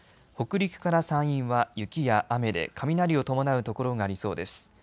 北陸から山陰は雪や雨で雷を伴う所がありそうです。